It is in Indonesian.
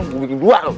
buat yang dua lu